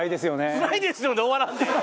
「つらいですよね」で終わらんで。